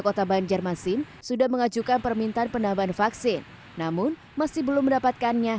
kota banjarmasin sudah mengajukan permintaan penambahan vaksin namun masih belum mendapatkannya